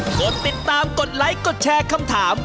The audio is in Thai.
กดติดตามกดไลค์กดแชร์คำถาม